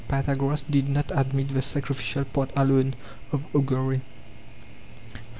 Pythagoras did not admit the sacrificial part alone (of augury). v.